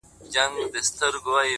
o زه به له خپل دياره ولاړ سمه،